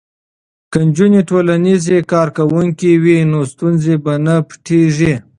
که نجونې ټولنیزې کارکوونکې وي نو ستونزې به نه پټیږي.